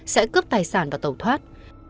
sẽ cướp tài sản và tẩu thoát